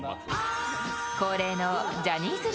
恒例のジャニーズ流